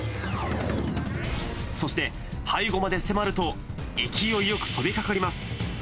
そして、背後まで迫ると勢いよく飛びかかります。